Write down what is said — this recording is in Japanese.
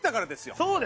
そうです！